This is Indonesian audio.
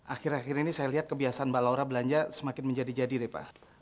akhir akhir ini saya lihat kebiasaan mbak laura belanja semakin menjadi jadi deh pak